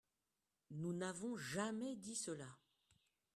Nous n’avons jamais dit cela